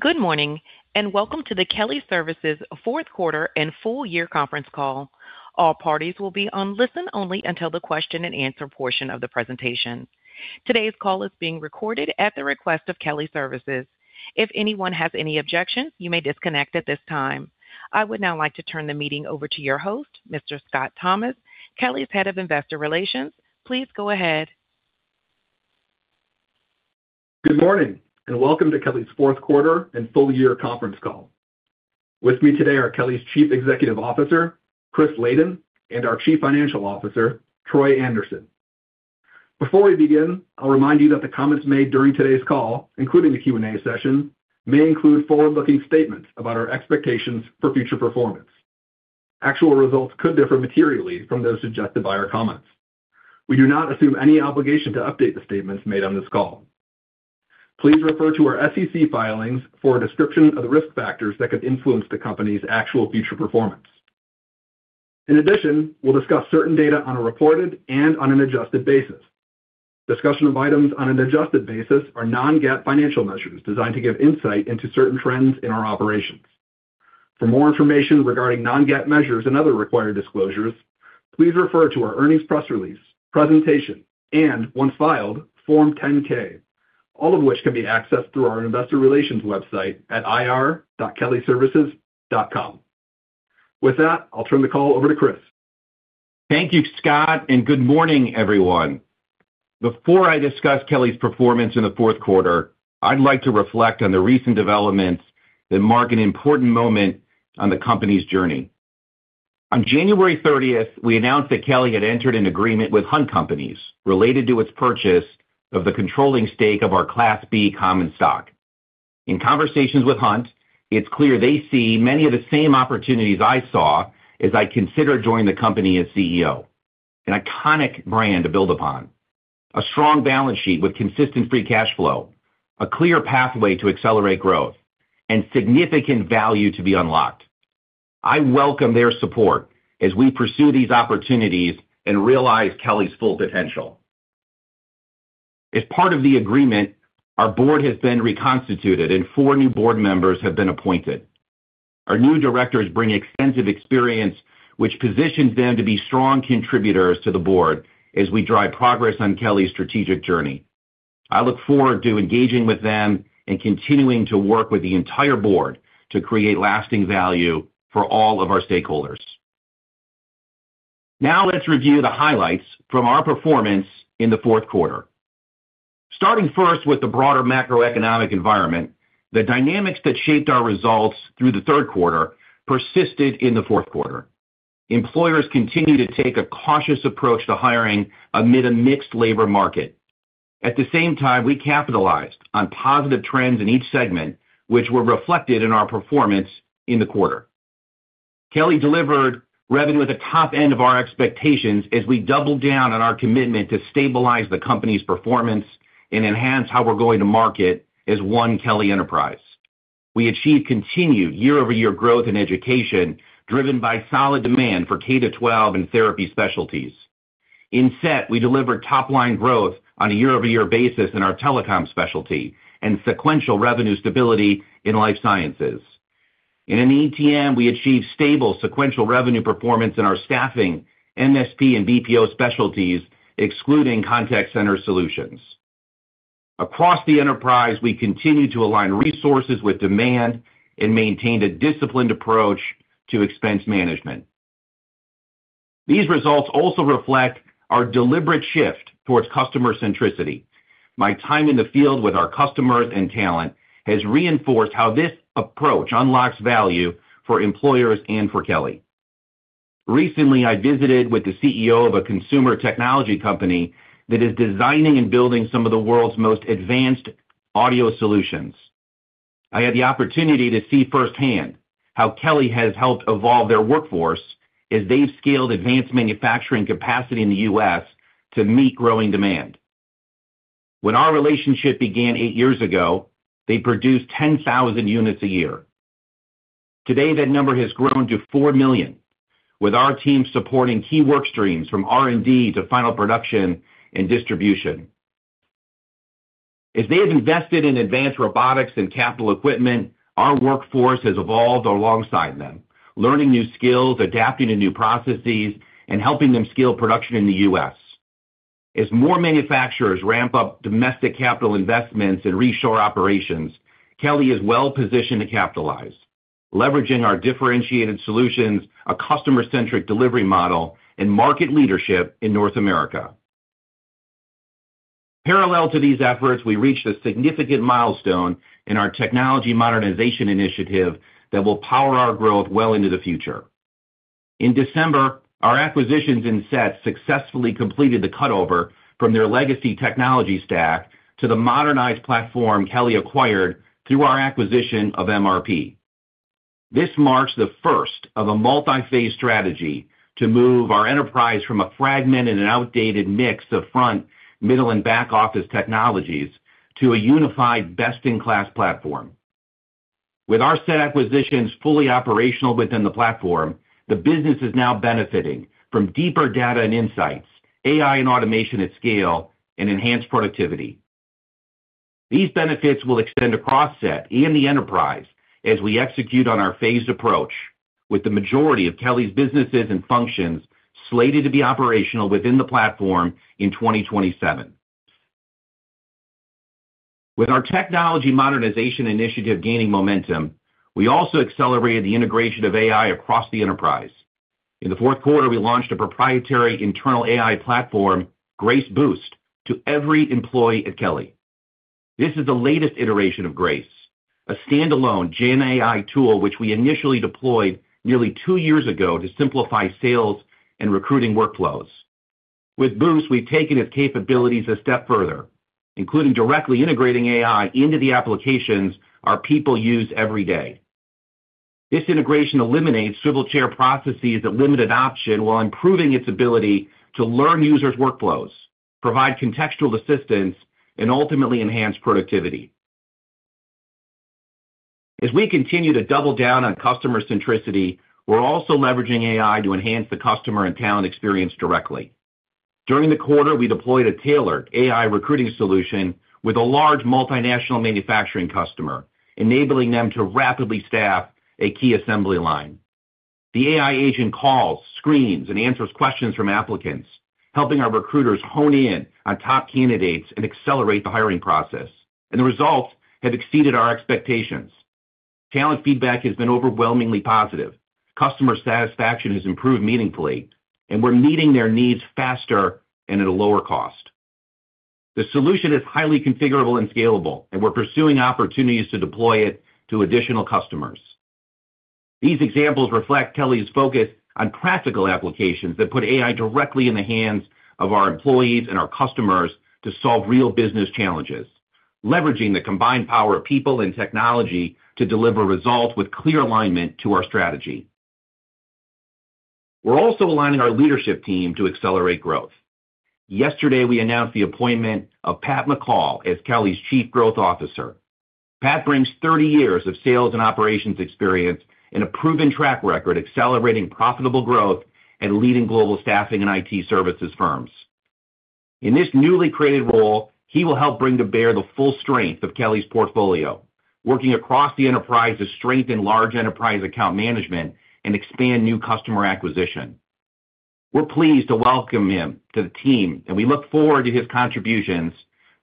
Good morning, and welcome to the Kelly Services' fourth quarter and full year conference call. All parties will be on listen-only until the question-and-answer portion of the presentation. Today's call is being recorded at the request of Kelly Services. If anyone has any objections, you may disconnect at this time. I would now like to turn the meeting over to your host, Mr. Scott Thomas, Kelly's Head of Investor Relations. Please go ahead. Good morning, and welcome to Kelly's fourth quarter and full year conference call. With me today are Kelly's Chief Executive Officer, Chris Layden, and our Chief Financial Officer, Troy Anderson. Before we begin, I'll remind you that the comments made during today's call, including the Q&A session, may include forward-looking statements about our expectations for future performance. Actual results could differ materially from those suggested by our comments. We do not assume any obligation to update the statements made on this call. Please refer to our SEC filings for a description of the risk factors that could influence the company's actual future performance. In addition, we'll discuss certain data on a reported and on an adjusted basis. Discussion of items on an adjusted basis are non-GAAP financial measures designed to give insight into certain trends in our operations. For more information regarding non-GAAP measures and other required disclosures, please refer to our earnings press release, presentation, and once filed, Form 10-K, all of which can be accessed through our investor relations website at ir.kellyservices.com. With that, I'll turn the call over to Chris. Thank you, Scott, and good morning, everyone. Before I discuss Kelly's performance in the fourth quarter, I'd like to reflect on the recent developments that mark an important moment on the company's journey. On January thirtieth, we announced that Kelly had entered an agreement with Hunt Companies related to its purchase of the controlling stake of our Class B Common Stock. In conversations with Hunt, it's clear they see many of the same opportunities I saw as I considered joining the company as CEO. An iconic brand to build upon, a strong balance sheet with consistent free cash flow, a clear pathway to accelerate growth, and significant value to be unlocked. I welcome their support as we pursue these opportunities and realize Kelly's full potential. As part of the agreement, our board has been reconstituted, and four new board members have been appointed. Our new directors bring extensive experience, which positions them to be strong contributors to the board as we drive progress on Kelly's strategic journey. I look forward to engaging with them and continuing to work with the entire board to create lasting value for all of our stakeholders. Now, let's review the highlights from our performance in the fourth quarter. Starting first with the broader macroeconomic environment, the dynamics that shaped our results through the third quarter persisted in the fourth quarter. Employers continued to take a cautious approach to hiring amid a mixed labor market. At the same time, we capitalized on positive trends in each segment, which were reflected in our performance in the quarter. Kelly delivered revenue at the top end of our expectations as we doubled down on our commitment to stabilize the company's performance and enhance how we're going to market as One Kelly enterprise. We achieved continued year-over-year growth in education, driven by solid demand for K-12 and therapy specialties. In SET, we delivered top-line growth on a year-over-year basis in our telecom specialty and sequential revenue stability in life sciences. In ETM, we achieved stable sequential revenue performance in our staffing, MSP, and BPO specialties, excluding contact center solutions. Across the enterprise, we continued to align resources with demand and maintained a disciplined approach to expense management. These results also reflect our deliberate shift towards customer centricity. My time in the field with our customers and talent has reinforced how this approach unlocks value for employers and for Kelly. Recently, I visited with the CEO of a consumer technology company that is designing and building some of the world's most advanced audio solutions. I had the opportunity to see firsthand how Kelly has helped evolve their workforce as they've scaled advanced manufacturing capacity in the U.S. to meet growing demand. When our relationship began eight years ago, they produced 10,000 units a year. Today, that number has grown to four million, with our team supporting key work streams from R&D to final production and distribution. As they have invested in advanced robotics and capital equipment, our workforce has evolved alongside them, learning new skills, adapting to new processes, and helping them scale production in the U.S. As more manufacturers ramp up domestic capital investments and reshore operations, Kelly is well positioned to capitalize, leveraging our differentiated solutions, a customer-centric delivery model, and market leadership in North America. Parallel to these efforts, we reached a significant milestone in our technology modernization initiative that will power our growth well into the future. In December, our acquisitions in SET successfully completed the cutover from their legacy technology stack to the modernized platform Kelly acquired through our acquisition of MRP. This marks the first of a multi-phase strategy to move our enterprise from a fragmented and outdated mix of front, middle, and back-office technologies to a unified, best-in-class platform. With our SET acquisitions fully operational within the platform, the business is now benefiting from deeper data and insights, AI and automation at scale, and enhanced productivity. These benefits will extend across SET and the enterprise as we execute on our phased approach, with the majority of Kelly's businesses and functions slated to be operational within the platform in 2027. With our technology modernization initiative gaining momentum, we also accelerated the integration of AI across the enterprise. In the fourth quarter, we launched a proprietary internal AI platform, Grace Boost, to every employee at Kelly. This is the latest iteration of Grace, a standalone GenAI tool, which we initially deployed nearly two years ago to simplify sales and recruiting workflows. With Boost, we've taken its capabilities a step further, including directly integrating AI into the applications our people use every day. This integration eliminates swivel chair processes that limited adoption, while improving its ability to learn users' workflows, provide contextual assistance, and ultimately enhance productivity. As we continue to double down on customer centricity, we're also leveraging AI to enhance the customer and talent experience directly. During the quarter, we deployed a tailored AI recruiting solution with a large multinational manufacturing customer, enabling them to rapidly staff a key assembly line. The AI agent calls, screens, and answers questions from applicants, helping our recruiters hone in on top candidates and accelerate the hiring process, and the results have exceeded our expectations. Talent feedback has been overwhelmingly positive. Customer satisfaction has improved meaningfully, and we're meeting their needs faster and at a lower cost. The solution is highly configurable and scalable, and we're pursuing opportunities to deploy it to additional customers. These examples reflect Kelly's focus on practical applications that put AI directly in the hands of our employees and our customers to solve real business challenges, leveraging the combined power of people and technology to deliver results with clear alignment to our strategy. We're also aligning our leadership team to accelerate growth. Yesterday, we announced the appointment of Pat McCall as Kelly's Chief Growth Officer. Pat brings 30 years of sales and operations experience and a proven track record, accelerating profitable growth and leading global staffing and IT services firms. In this newly created role, he will help bring to bear the full strength of Kelly's portfolio, working across the enterprise to strengthen large enterprise account management and expand new customer acquisition. We're pleased to welcome him to the team, and we look forward to his contributions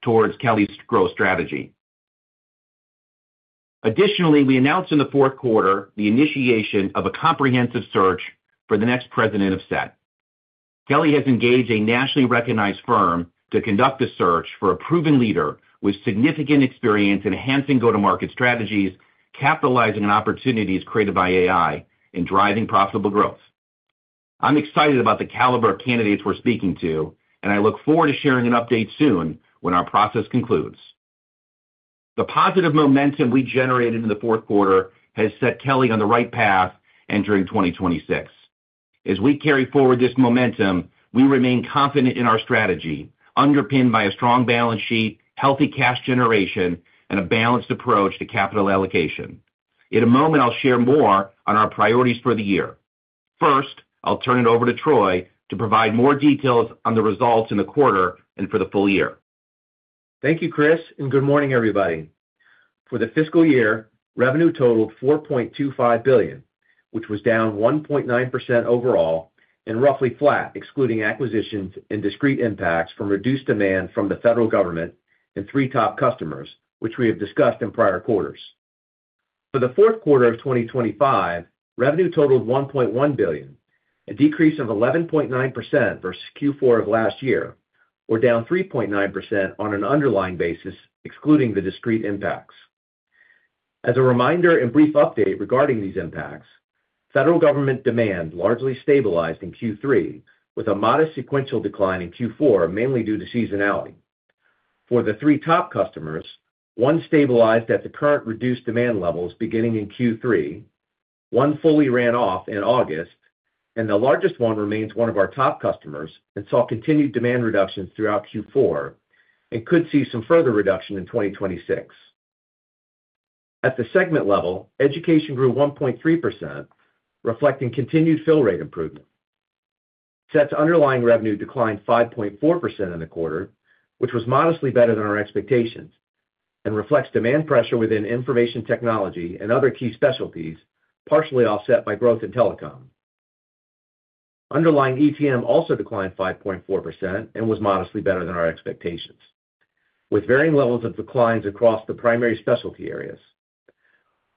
towards Kelly's growth strategy. Additionally, we announced in the fourth quarter the initiation of a comprehensive search for the next president of SET. Kelly has engaged a nationally recognized firm to conduct a search for a proven leader with significant experience enhancing go-to-market strategies, capitalizing on opportunities created by AI, and driving profitable growth. I'm excited about the caliber of candidates we're speaking to, and I look forward to sharing an update soon when our process concludes. The positive momentum we generated in the fourth quarter has set Kelly on the right path entering 2026. As we carry forward this momentum, we remain confident in our strategy, underpinned by a strong balance sheet, healthy cash generation, and a balanced approach to capital allocation. In a moment, I'll share more on our priorities for the year. First, I'll turn it over to Troy to provide more details on the results in the quarter and for the full year. Thank you, Chris, and good morning, everybody. For the fiscal year, revenue totaled $4.25 billion, which was down 1.9% overall and roughly flat, excluding acquisitions and discrete impacts from reduced demand from the federal government and three top customers, which we have discussed in prior quarters. For the fourth quarter of 2025, revenue totaled $1.1 billion, a decrease of 11.9% versus Q4 of last year, or down 3.9% on an underlying basis, excluding the discrete impacts. As a reminder and brief update regarding these impacts, federal government demand largely stabilized in Q3, with a modest sequential decline in Q4, mainly due to seasonality. For the three top customers, one stabilized at the current reduced demand levels beginning in Q3, one fully ran off in August, and the largest one remains one of our top customers and saw continued demand reductions throughout Q4 and could see some further reduction in 2026. At the segment level, education grew 1.3%, reflecting continued fill rate improvement. SET's underlying revenue declined 5.4% in the quarter, which was modestly better than our expectations and reflects demand pressure within information technology and other key specialties, partially offset by growth in telecom. Underlying ETM also declined 5.4% and was modestly better than our expectations, with varying levels of declines across the primary specialty areas.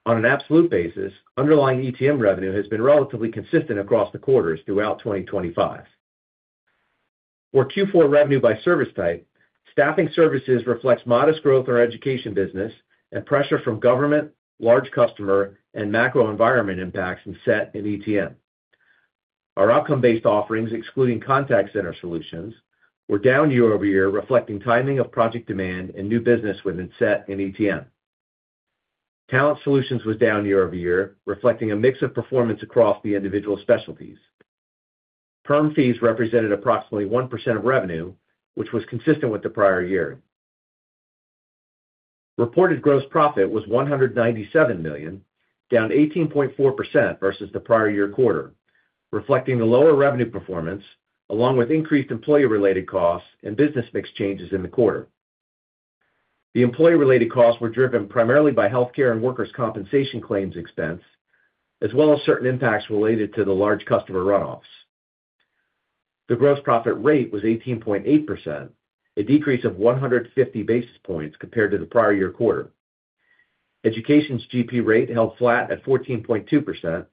On an absolute basis, underlying ETM revenue has been relatively consistent across the quarters throughout 2025. For Q4 revenue by service type, staffing services reflects modest growth in our education business and pressure from government, large customer, and macro environment impacts in SET and ETM. Our outcome-based offerings, excluding contact center solutions, were down year-over-year, reflecting timing of project demand and new business within SET and ETM. Talent Solutions was down year-over-year, reflecting a mix of performance across the individual specialties.... Firm fees represented approximately 1% of revenue, which was consistent with the prior year. Reported gross profit was $197 million, down 18.4% versus the prior year quarter, reflecting the lower revenue performance, along with increased employee-related costs and business mix changes in the quarter. The employee-related costs were driven primarily by healthcare and workers' compensation claims expense, as well as certain impacts related to the large customer runoffs. The gross profit rate was 18.8%, a decrease of 150 basis points compared to the prior year quarter. Education's GP rate held flat at 14.2%,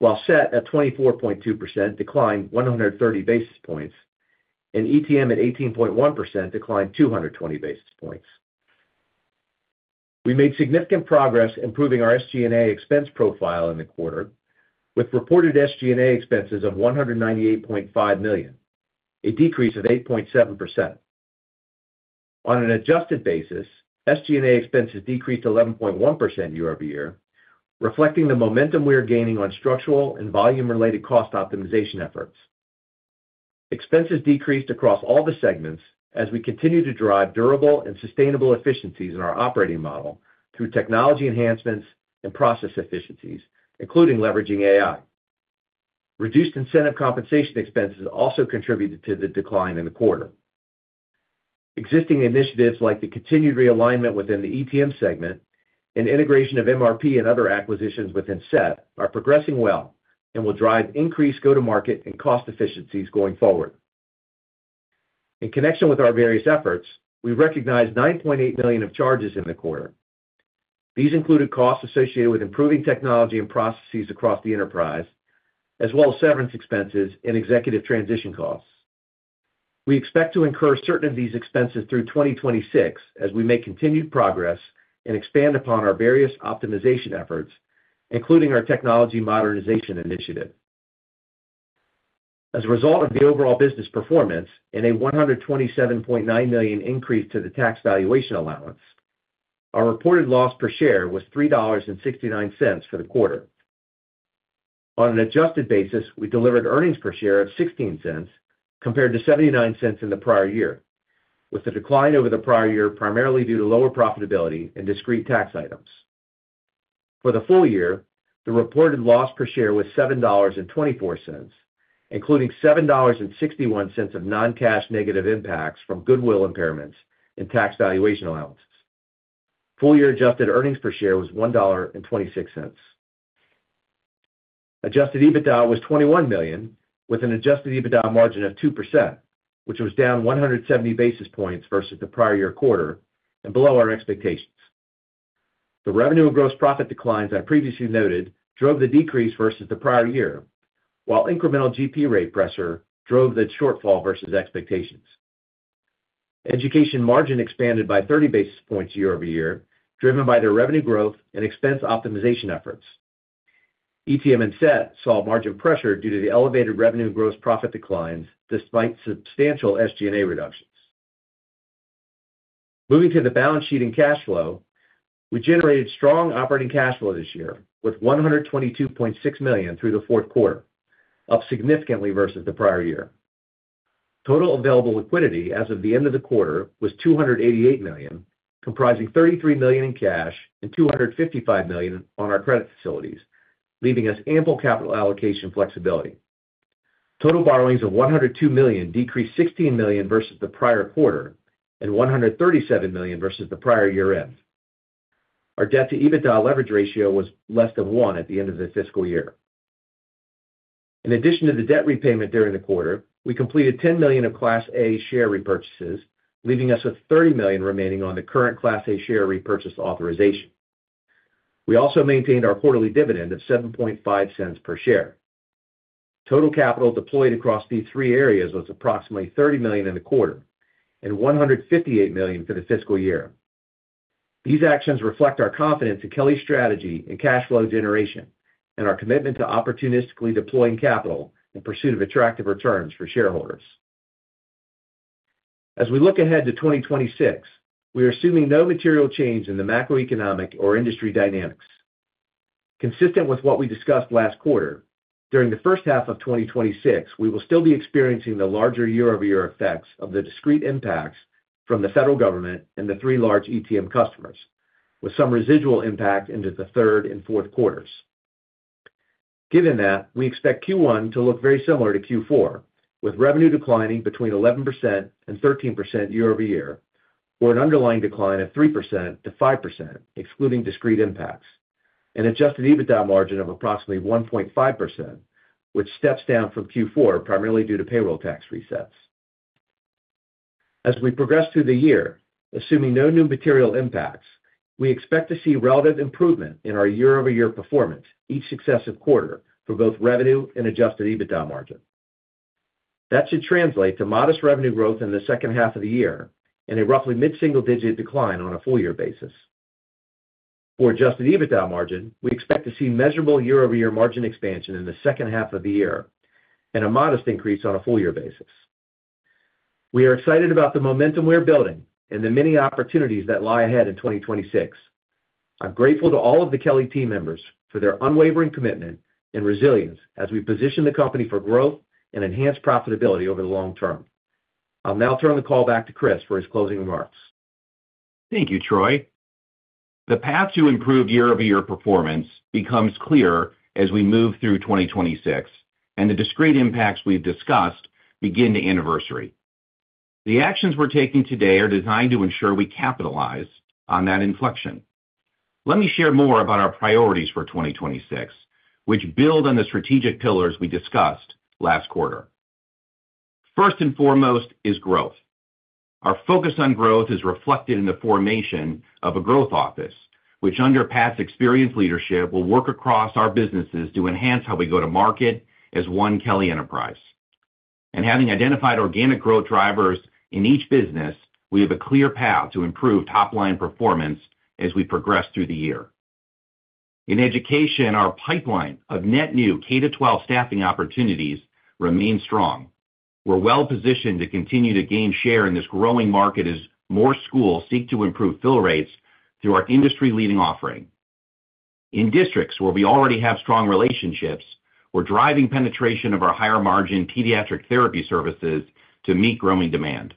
while SET at 24.2% declined 130 basis points, and ETM at 18.1% declined 220 basis points. We made significant progress improving our SG&A expense profile in the quarter, with reported SG&A expenses of $198.5 million, a decrease of 8.7%. On an adjusted basis, SG&A expenses decreased 11.1% year-over-year, reflecting the momentum we are gaining on structural and volume-related cost optimization efforts. Expenses decreased across all the segments as we continue to drive durable and sustainable efficiencies in our operating model through technology enhancements and process efficiencies, including leveraging AI. Reduced incentive compensation expenses also contributed to the decline in the quarter. Existing initiatives like the continued realignment within the ETM segment and integration of MRP and other acquisitions within SET are progressing well and will drive increased go-to-market and cost efficiencies going forward. In connection with our various efforts, we recognized $9.8 million of charges in the quarter. These included costs associated with improving technology and processes across the enterprise, as well as severance expenses and executive transition costs. We expect to incur certain of these expenses through 2026 as we make continued progress and expand upon our various optimization efforts, including our technology modernization initiative. As a result of the overall business performance and a $127.9 million increase to the tax valuation allowance, our reported loss per share was $3.69 for the quarter. On an adjusted basis, we delivered earnings per share of $0.16 compared to $0.79 in the prior year, with the decline over the prior year primarily due to lower profitability and discrete tax items. For the full year, the reported loss per share was $7.24, including $7.61 of non-cash negative impacts from goodwill impairments and tax valuation allowances. Full-year adjusted earnings per share was $1.26. Adjusted EBITDA was $21 million, with an adjusted EBITDA margin of 2%, which was down 170 basis points versus the prior year quarter and below our expectations. The revenue and gross profit declines I previously noted drove the decrease versus the prior year, while incremental GP rate pressure drove the shortfall versus expectations. Education margin expanded by 30 basis points year-over-year, driven by their revenue growth and expense optimization efforts. ETM and SET saw margin pressure due to the elevated revenue and gross profit declines, despite substantial SG&A reductions. Moving to the balance sheet and cash flow, we generated strong operating cash flow this year, with $122.6 million through the fourth quarter, up significantly versus the prior year. Total available liquidity as of the end of the quarter was $288 million, comprising $33 million in cash and $255 million on our credit facilities, leaving us ample capital allocation flexibility. Total borrowings of $102 million decreased $16 million versus the prior quarter, and $137 million versus the prior year-end. Our debt-to-EBITDA leverage ratio was less than one at the end of the fiscal year. In addition to the debt repayment during the quarter, we completed $10 million of Class A share repurchases, leaving us with $30 million remaining on the current Class A share repurchase authorization. We also maintained our quarterly dividend of $0.075 per share. Total capital deployed across these three areas was approximately $30 million in the quarter and $158 million for the fiscal year. These actions reflect our confidence in Kelly's strategy and cash flow generation and our commitment to opportunistically deploying capital in pursuit of attractive returns for shareholders. As we look ahead to 2026, we are assuming no material change in the macroeconomic or industry dynamics. Consistent with what we discussed last quarter, during the first half of 2026, we will still be experiencing the larger year-over-year effects of the discrete impacts from the federal government and the three large ETM customers, with some residual impact into the third and fourth quarters. Given that, we expect Q1 to look very similar to Q4, with revenue declining between 11% and 13% year-over-year, or an underlying decline of 3% to 5%, excluding discrete impacts, and adjusted EBITDA margin of approximately 1.5%, which steps down from Q4, primarily due to payroll tax resets. As we progress through the year, assuming no new material impacts, we expect to see relative improvement in our year-over-year performance each successive quarter for both revenue and adjusted EBITDA margin. That should translate to modest revenue growth in the second half of the year and a roughly mid-single-digit decline on a full year basis. For adjusted EBITDA margin, we expect to see measurable year-over-year margin expansion in the second half of the year and a modest increase on a full year basis. We are excited about the momentum we're building and the many opportunities that lie ahead in 2026. I'm grateful to all of the Kelly team members for their unwavering commitment and resilience as we position the company for growth and enhanced profitability over the long term. I'll now turn the call back to Chris for his closing remarks. Thank you, Troy. The path to improved year-over-year performance becomes clearer as we move through 2026, and the discrete impacts we've discussed begin to anniversary. The actions we're taking today are designed to ensure we capitalize on that inflection. Let me share more about our priorities for 2026, which build on the strategic pillars we discussed last quarter. First and foremost is growth. Our focus on growth is reflected in the formation of a growth office, which, under past experienced leadership, will work across our businesses to enhance how we go to market as One Kelly enterprise. Having identified organic growth drivers in each business, we have a clear path to improve top-line performance as we progress through the year. In education, our pipeline of net new K-12 staffing opportunities remains strong. We're well positioned to continue to gain share in this growing market as more schools seek to improve fill rates through our industry-leading offering. In districts where we already have strong relationships, we're driving penetration of our higher margin pediatric therapy services to meet growing demand.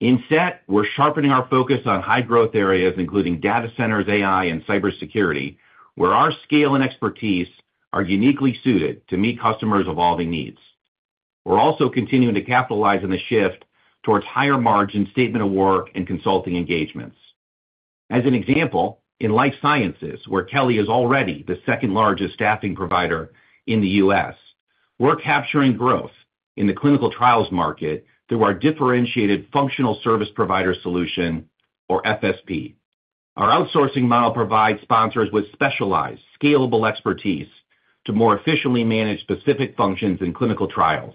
In SET, we're sharpening our focus on high growth areas, including data centers, AI, and cybersecurity, where our scale and expertise are uniquely suited to meet customers' evolving needs. We're also continuing to capitalize on the shift towards higher margin statement of work and consulting engagements. As an example, in life sciences, where Kelly is already the second-largest staffing provider in the U.S., we're capturing growth in the clinical trials market through our differentiated functional service provider solution, or FSP. Our outsourcing model provides sponsors with specialized, scalable expertise to more efficiently manage specific functions in clinical trials,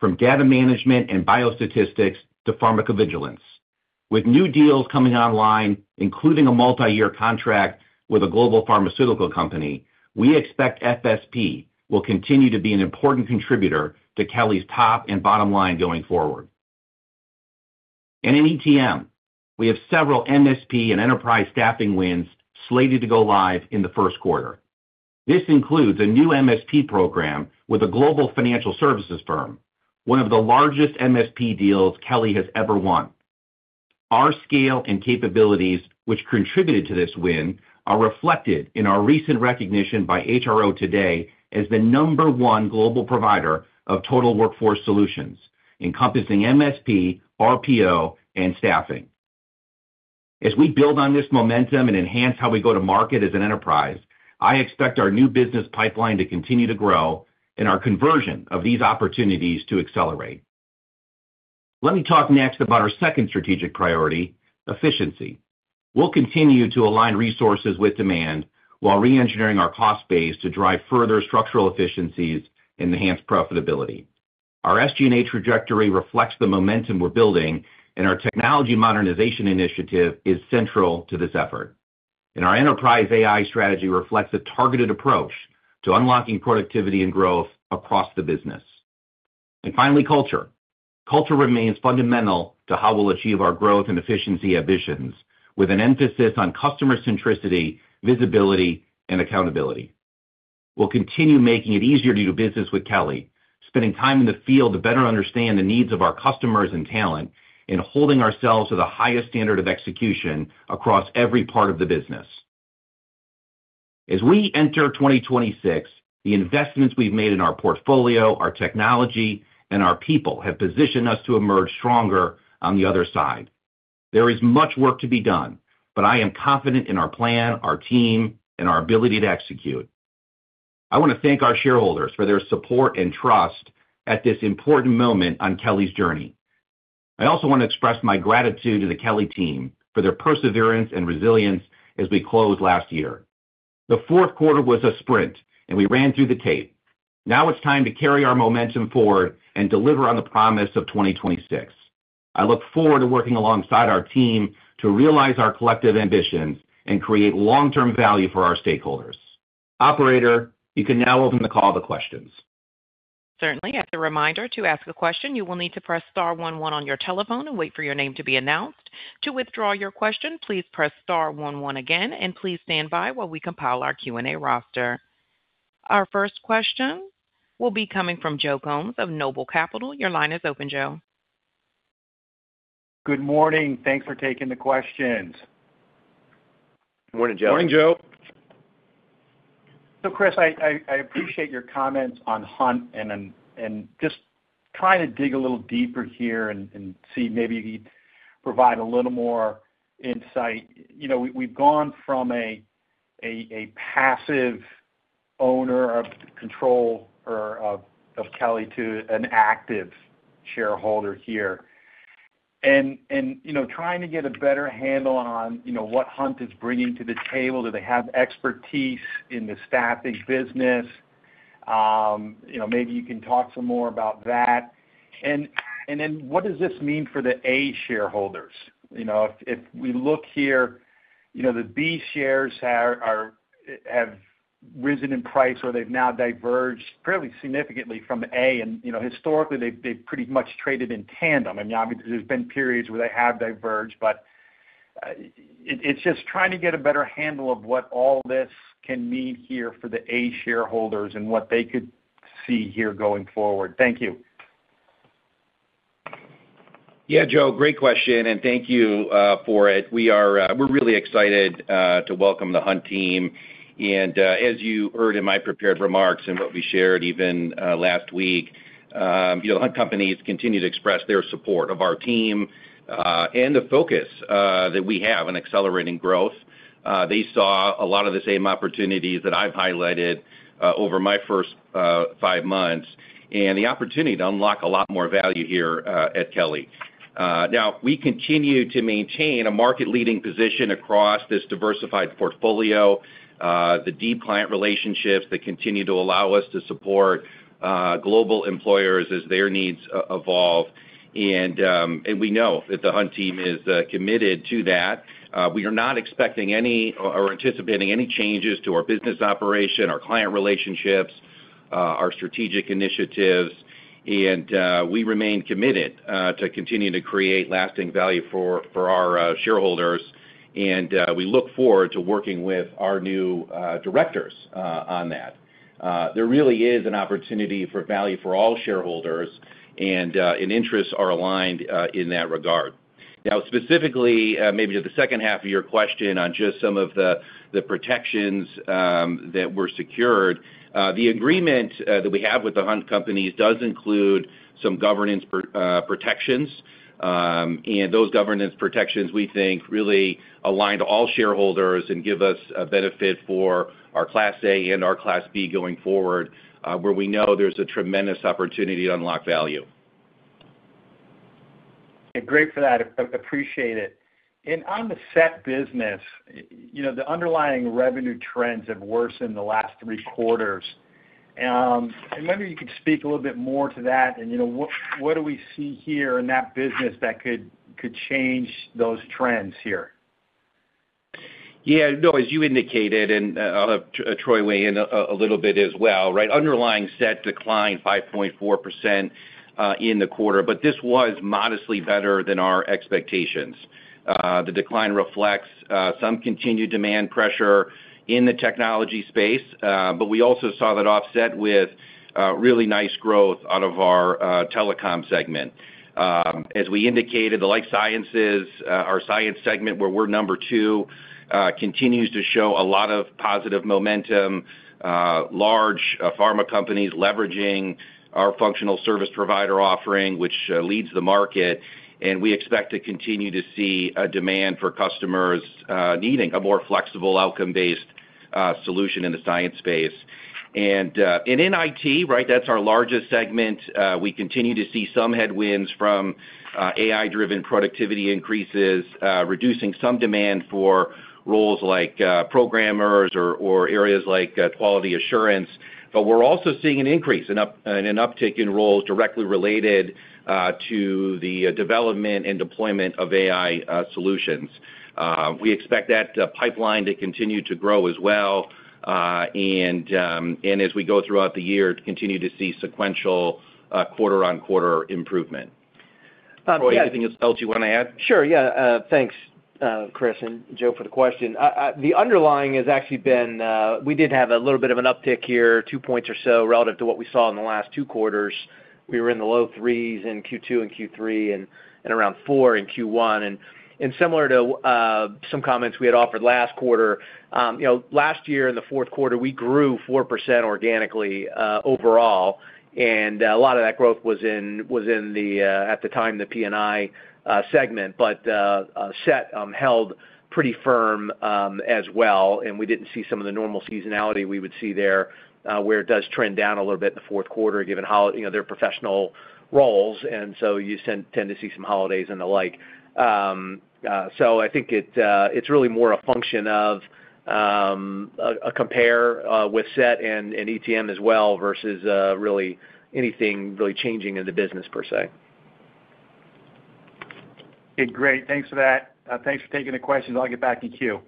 from data management and biostatistics to pharmacovigilance. With new deals coming online, including a multiyear contract with a global pharmaceutical company, we expect FSP will continue to be an important contributor to Kelly's top and bottom line going forward. In ETM, we have several MSP and enterprise staffing wins slated to go live in the first quarter. This includes a new MSP program with a global financial services firm, one of the largest MSP deals Kelly has ever won. Our scale and capabilities, which contributed to this win, are reflected in our recent recognition by HRO Today as the number one global provider of Total Workforce Solutions, encompassing MSP, RPO, and staffing. As we build on this momentum and enhance how we go to market as an enterprise, I expect our new business pipeline to continue to grow and our conversion of these opportunities to accelerate. Let me talk next about our second strategic priority, efficiency. We'll continue to align resources with demand while reengineering our cost base to drive further structural efficiencies and enhance profitability. Our SG&A trajectory reflects the momentum we're building, and our technology modernization initiative is central to this effort. Our enterprise AI strategy reflects a targeted approach to unlocking productivity and growth across the business. Finally, culture. Culture remains fundamental to how we'll achieve our growth and efficiency ambitions, with an emphasis on customer centricity, visibility, and accountability. We'll continue making it easier to do business with Kelly, spending time in the field to better understand the needs of our customers and talent, and holding ourselves to the highest standard of execution across every part of the business. As we enter 2026, the investments we've made in our portfolio, our technology, and our people have positioned us to emerge stronger on the other side. There is much work to be done, but I am confident in our plan, our team, and our ability to execute. I want to thank our shareholders for their support and trust at this important moment on Kelly's journey. I also want to express my gratitude to the Kelly team for their perseverance and resilience as we closed last year. The fourth quarter was a sprint, and we ran through the tape. Now it's time to carry our momentum forward and deliver on the promise of 2026. I look forward to working alongside our team to realize our collective ambitions and create long-term value for our stakeholders. Operator, you can now open the call to questions. Certainly. As a reminder, to ask a question, you will need to press star one one on your telephone and wait for your name to be announced. To withdraw your question, please press star one one again, and please stand by while we compile our Q&A roster. Our first question will be coming from Joe Gomes of Noble Capital. Your line is open, Joe. Good morning. Thanks for taking the questions. Good morning, Joe. Morning, Joe. So Chris, I appreciate your comments on Hunt and just trying to dig a little deeper here and see maybe if you'd provide a little more insight. You know, we've gone from a passive owner of control or of Kelly to an active shareholder here. And you know, trying to get a better handle on, you know, what Hunt is bringing to the table. Do they have expertise in the staffing business? You know, maybe you can talk some more about that. And then what does this mean for the A shareholders? You know, if we look here, you know, the B shares have risen in price, or they've now diverged fairly significantly from A. And you know, historically, they've pretty much traded in tandem. I mean, obviously, there's been periods where they have diverged, but it's just trying to get a better handle of what all this can mean here for the A shareholders and what they could see here going forward. Thank you. Yeah, Joe, great question, and thank you for it. We are, we're really excited to welcome the Hunt team. And, as you heard in my prepared remarks and what we shared even, last week, you know, Hunt Companies continue to express their support of our team, and the focus that we have in accelerating growth. They saw a lot of the same opportunities that I've highlighted over my first five months, and the opportunity to unlock a lot more value here at Kelly. Now, we continue to maintain a market-leading position across this diversified portfolio, the deep client relationships that continue to allow us to support global employers as their needs evolve. And, and we know that the Hunt team is committed to that. We are not expecting any or anticipating any changes to our business operation, our client relationships, our strategic initiatives, and we remain committed to continuing to create lasting value for our shareholders, and we look forward to working with our new directors on that. There really is an opportunity for value for all shareholders, and interests are aligned in that regard. Now, specifically, maybe to the second half of your question on just some of the protections that were secured, the agreement that we have with the Hunt Companies does include some governance protections. And those governance protections, we think, really align to all shareholders and give us a benefit for our Class A and our Class B going forward, where we know there's a tremendous opportunity to unlock value. Great for that. Appreciate it. On the SET business, you know, the underlying revenue trends have worsened the last three quarters. I wonder if you could speak a little bit more to that, and, you know, what do we see here in that business that could change those trends here? Yeah, no, as you indicated, and, I'll let Troy weigh in a little bit as well, right? Underlying SET declined 5.4% in the quarter, but this was modestly better than our expectations. The decline reflects some continued demand pressure in the technology space, but we also saw that offset with really nice growth out of our telecom segment. As we indicated, the life sciences, our science segment, where we're number two, continues to show a lot of positive momentum, large pharma companies leveraging our functional service provider offering, which leads the market, and we expect to continue to see a demand for customers needing a more flexible, outcome-based solution in the science space. And in IT, right, that's our largest segment, we continue to see some headwinds from AI-driven productivity increases, reducing some demand for roles like programmers or areas like quality assurance. But we're also seeing an increase and an uptick in roles directly related to the development and deployment of AI solutions. We expect that pipeline to continue to grow as well, and as we go throughout the year, to continue to see sequential quarter-on-quarter improvement. Um, yeah- Troy, anything else you want to add? Sure, yeah. Thanks, Chris, and Joe, for the question. The underlying has actually been, we did have a little bit of an uptick here, 2 points or so, relative to what we saw in the last two quarters. We were in the low threes in Q2 and Q3 and around four in Q1. Similar to some comments we had offered last quarter, you know, last year in the fourth quarter, we grew 4% organically overall, and a lot of that growth was in the at the time, the P&I segment, but SET held pretty firm as well, and we didn't see some of the normal seasonality we would see there, where it does trend down a little bit in the fourth quarter, given how, you know, they're professional roles, and so you tend to see some holidays and the like. So I think it's really more a function of a compare with SET and ETM as well, versus really anything changing in the business per se. Great. Thanks for that. Thanks for taking the questions. I'll get back to queue.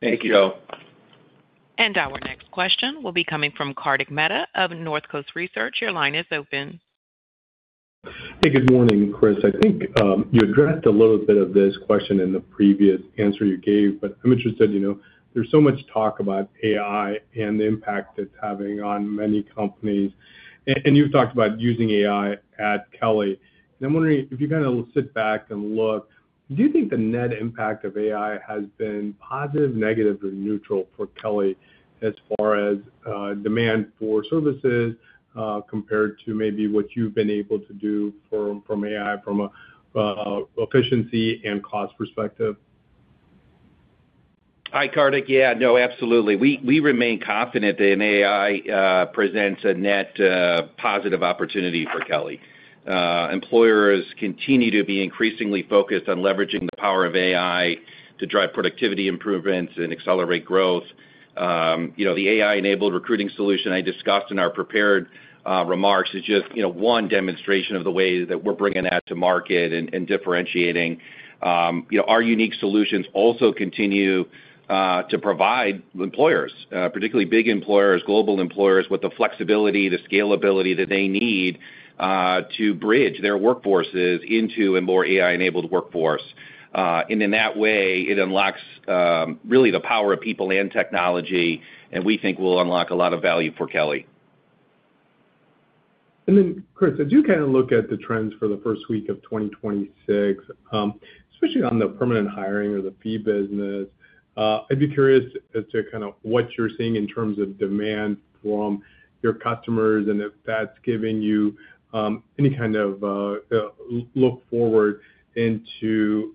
Thank you, Joe. Our next question will be coming from Kartik Mehta of Northcoast Research. Your line is open. Hey, good morning, Chris. I think you addressed a little bit of this question in the previous answer you gave, but I'm interested, you know, there's so much talk about AI and the impact it's having on many companies, and you've talked about using AI at Kelly. I'm wondering if you kind of sit back and look, do you think the net impact of AI has been positive, negative, or neutral for Kelly as far as demand for services compared to maybe what you've been able to do from AI from a efficiency and cost perspective?... Hi, Kartik. Yeah, no, absolutely. We, we remain confident that an AI presents a net positive opportunity for Kelly. Employers continue to be increasingly focused on leveraging the power of AI to drive productivity improvements and accelerate growth. You know, the AI-enabled recruiting solution I discussed in our prepared remarks is just, you know, one demonstration of the way that we're bringing that to market and, and differentiating. You know, our unique solutions also continue to provide employers, particularly big employers, global employers, with the flexibility, the scalability that they need, to bridge their workforces into a more AI-enabled workforce. And in that way, it unlocks really the power of people and technology, and we think will unlock a lot of value for Kelly. And then, Chris, as you kind of look at the trends for the first week of 2026, especially on the permanent hiring or the fee business, I'd be curious as to kind of what you're seeing in terms of demand from your customers, and if that's giving you any kind of look forward into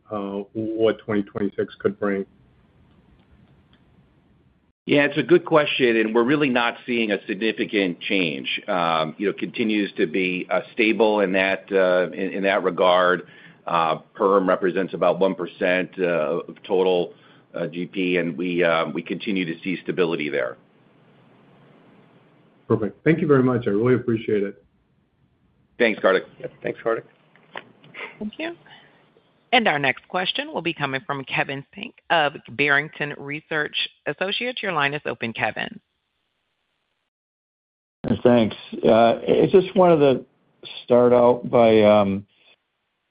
what 2026 could bring. Yeah, it's a good question, and we're really not seeing a significant change. You know, continues to be stable in that regard. Perm represents about 1% of total GP, and we continue to see stability there. Perfect. Thank you very much. I really appreciate it. Thanks, Kartik. Yeah. Thanks, Kartik. Thank you. Our next question will be coming from Kevin Fink of Barrington Research Associates. Your line is open, Kevin. Thanks. I just wanted to start out by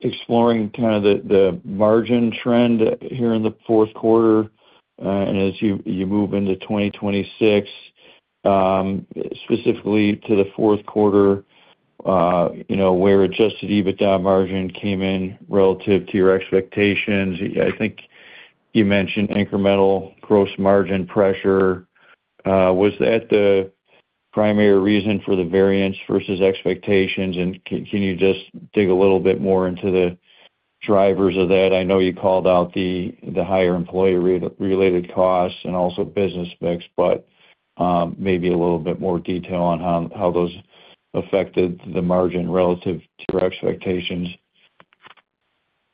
exploring kind of the margin trend here in the fourth quarter, and as you move into 2026, specifically to the fourth quarter, you know, where adjusted EBITDA margin came in relative to your expectations. I think you mentioned incremental gross margin pressure. Was that the primary reason for the variance versus expectations? And can you just dig a little bit more into the drivers of that? I know you called out the higher employee related costs and also business mix, but maybe a little bit more detail on how those affected the margin relative to your expectations.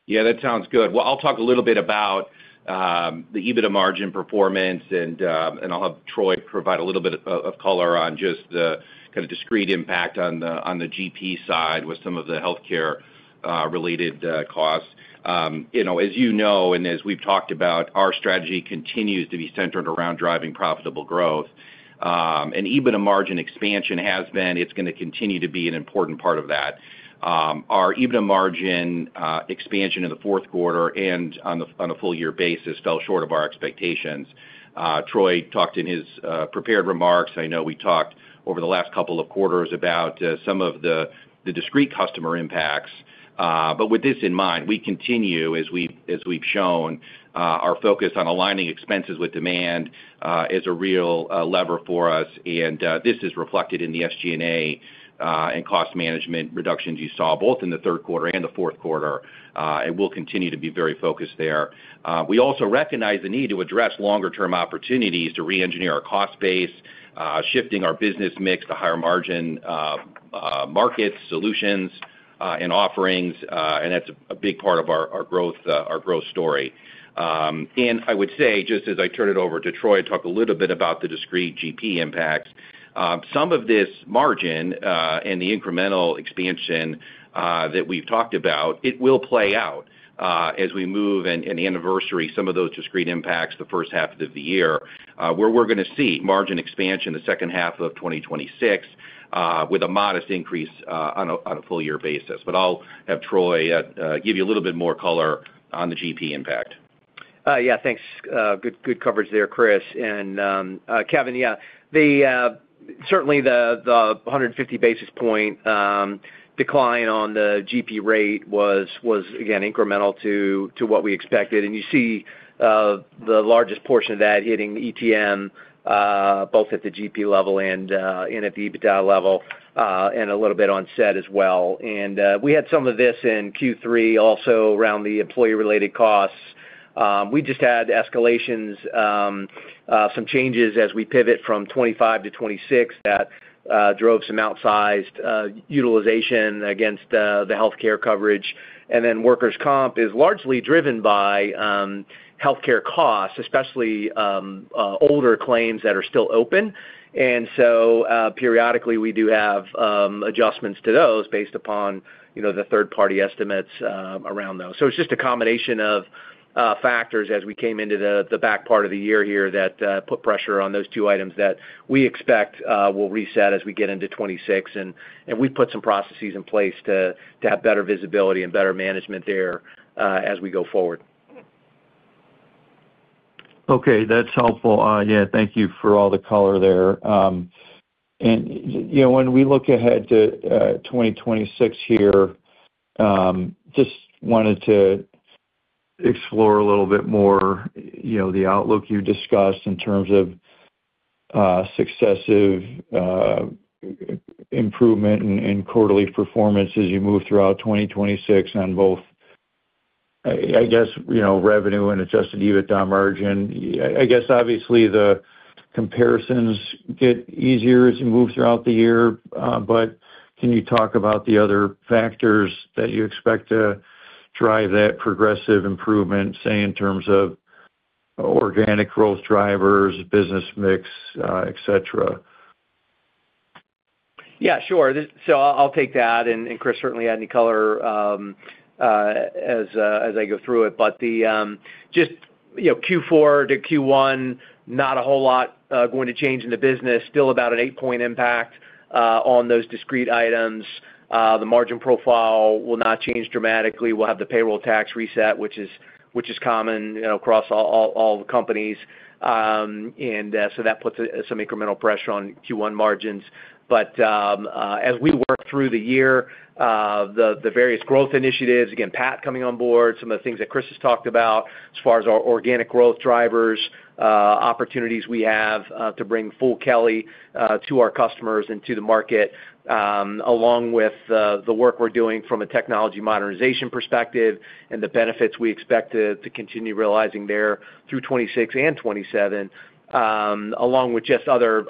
Yeah, that sounds good. Well, I'll talk a little bit about the EBITDA margin performance, and I'll have Troy provide a little bit of color on just the kind of discrete impact on the GP side with some of the healthcare related costs. You know, as you know, and as we've talked about, our strategy continues to be centered around driving profitable growth. And EBITDA margin expansion has been, it's gonna continue to be an important part of that. Our EBITDA margin expansion in the fourth quarter and on a full year basis fell short of our expectations. Troy talked in his prepared remarks. I know we talked over the last couple of quarters about some of the discrete customer impacts. But with this in mind, we continue, as we've, as we've shown, our focus on aligning expenses with demand, is a real lever for us, and this is reflected in the SG&A and cost management reductions you saw both in the third quarter and the fourth quarter. And we'll continue to be very focused there. We also recognize the need to address longer term opportunities to reengineer our cost base, shifting our business mix to higher margin markets, solutions, and offerings, and that's a big part of our, our growth, our growth story. And I would say, just as I turn it over to Troy, to talk a little bit about the discrete GP impacts. Some of this margin and the incremental expansion that we've talked about, it will play out as we move and anniversary some of those discrete impacts the first half of the year, where we're gonna see margin expansion in the second half of 2026, with a modest increase on a full year basis. But I'll have Troy give you a little bit more color on the GP impact. Yeah, thanks. Good coverage there, Chris. And, Kevin, yeah, certainly the 150 basis point decline on the GP rate was again incremental to what we expected. And you see, the largest portion of that hitting ETM, both at the GP level and at the EBITDA level, and a little bit on SET as well. And, we had some of this in Q3 also around the employee-related costs. We just had escalations, some changes as we pivot from 2025-2026 that drove some outsized utilization against the healthcare coverage. And then workers' comp is largely driven by healthcare costs, especially older claims that are still open. And so, periodically, we do have adjustments to those based upon, you know, the third-party estimates around those. So it's just a combination of factors as we came into the back part of the year here, that put pressure on those two items that we expect will reset as we get into 2026. And we've put some processes in place to have better visibility and better management there, as we go forward. Okay, that's helpful. Yeah, thank you for all the color there. And, you know, when we look ahead to 2026 here, just wanted to explore a little bit more, you know, the outlook you discussed in terms of successive improvement in quarterly performance as you move throughout 2026 on both, I guess, you know, revenue and adjusted EBITDA margin. I guess, obviously, the comparisons get easier as you move throughout the year. But can you talk about the other factors that you expect to drive that progressive improvement, say, in terms of organic growth drivers, business mix, et cetera? Yeah, sure. So I'll take that, and Chris certainly add any color as I go through it. But just, you know, Q4-Q1, not a whole lot going to change in the business. Still about an eight-point impact on those discrete items. The margin profile will not change dramatically. We'll have the payroll tax reset, which is common, you know, across all the companies. And so that puts some incremental pressure on Q1 margins. As we work through the year, the various growth initiatives, again, Pat coming on board, some of the things that Chris has talked about as far as our organic growth drivers, opportunities we have to bring full Kelly to our customers and to the market, along with the work we're doing from a technology modernization perspective and the benefits we expect to continue realizing there through 2026 and 2027. Along with just other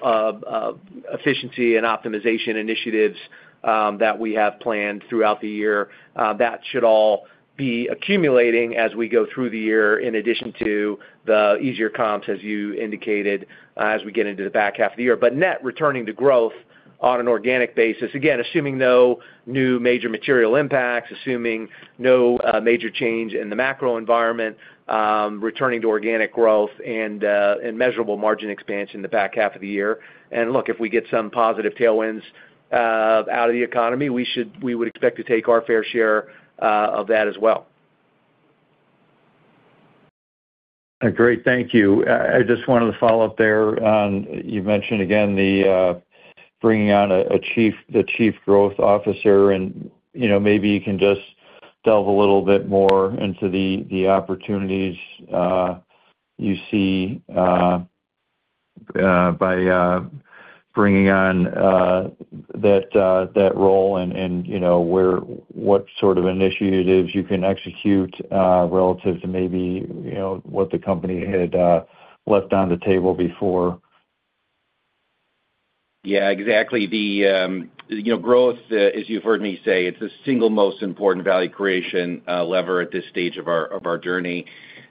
efficiency and optimization initiatives that we have planned throughout the year. That should all be accumulating as we go through the year, in addition to the easier comps, as you indicated, as we get into the back half of the year. But net, returning to growth on an organic basis, again, assuming no new major material impacts, assuming no major change in the macro environment, returning to organic growth and measurable margin expansion in the back half of the year. And look, if we get some positive tailwinds out of the economy, we should, we would expect to take our fair share of that as well. Great. Thank you. I just wanted to follow up there on... You mentioned again, the bringing on a chief, the chief growth officer, and, you know, maybe you can just delve a little bit more into the opportunities you see by bringing on that role and, and, you know, where, what sort of initiatives you can execute relative to maybe, you know, what the company had left on the table before? Yeah, exactly. The, you know, growth, as you've heard me say, it's the single most important value creation, lever at this stage of our, of our journey.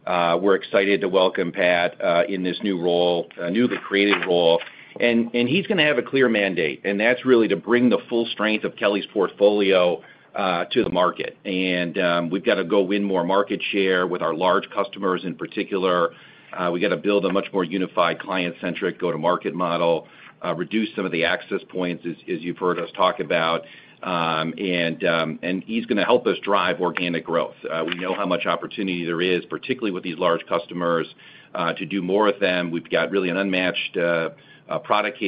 We're excited to welcome Pat, in this new role, a newly created role, and, and he's gonna have a clear mandate, and that's really to bring the full strength of Kelly's portfolio, to the market. And, we've got to go win more market share with our large customers in particular. We got to build a much more unified, client-centric go-to-market model, reduce some of the access points, as, as you've heard us talk about. And, and he's gonna help us drive organic growth. We know how much opportunity there is, particularly with these large customers, to do more with them. We've got really an unmatched product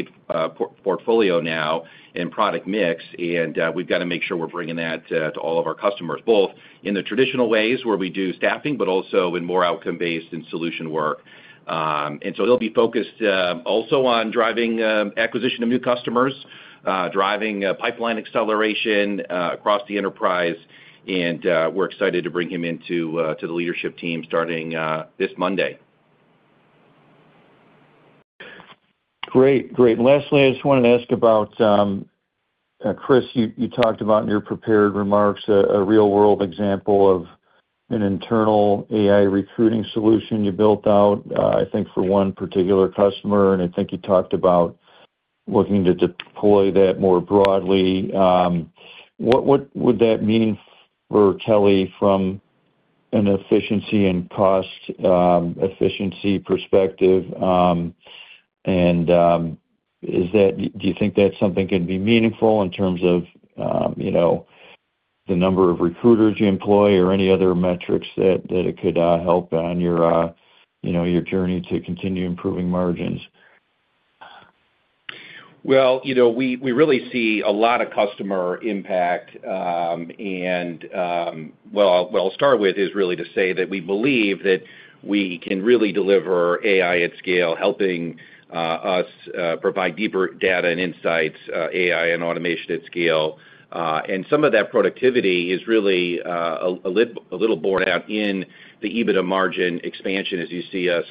portfolio now and product mix, and we've got to make sure we're bringing that to all of our customers, both in the traditional ways, where we do staffing, but also in more outcome-based and solution work. And so he'll be focused also on driving acquisition of new customers, driving pipeline acceleration across the enterprise, and we're excited to bring him into the leadership team, starting this Monday. Great. Great. Lastly, I just wanted to ask about, Chris, you talked about in your prepared remarks, a real-world example of an internal AI recruiting solution you built out, I think for one particular customer, and I think you talked about looking to deploy that more broadly. What would that mean for Kelly from an efficiency and cost efficiency perspective? And, is that... Do you think that's something can be meaningful in terms of, you know, the number of recruiters you employ or any other metrics that it could help on your, you know, your journey to continue improving margins? Well, you know, we really see a lot of customer impact. Well, what I'll start with is really to say that we believe that we can really deliver AI at scale, helping us provide deeper data and insights, AI and automation at scale. And some of that productivity is really a little born out in the EBITDA margin expansion as you see us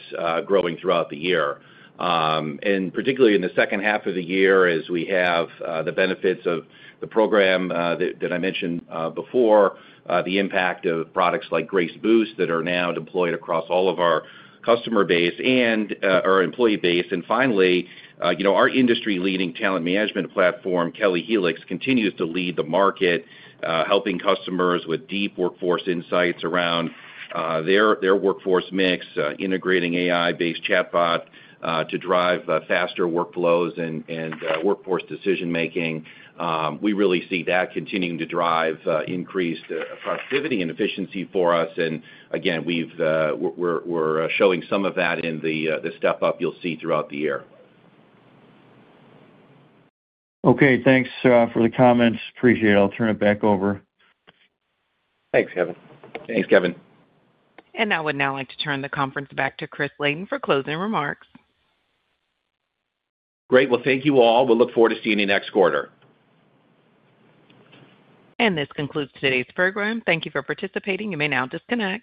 growing throughout the year. And particularly in the second half of the year, as we have the benefits of the program that I mentioned before, the impact of products like Grace Boost that are now deployed across all of our customer base and our employee base. Finally, you know, our industry-leading talent management platform, Kelly Helix, continues to lead the market, helping customers with deep workforce insights around their workforce mix, integrating AI-based chatbot to drive faster workflows and workforce decision-making. We really see that continuing to drive increased productivity and efficiency for us. And again, we're showing some of that in the step up you'll see throughout the year. Okay. Thanks for the comments. Appreciate it. I'll turn it back over. Thanks, Kevin. Thanks, Kevin. I would now like to turn the conference back to Chris Layden for closing remarks. Great. Well, thank you all. We'll look forward to seeing you next quarter. This concludes today's program. Thank you for participating. You may now disconnect.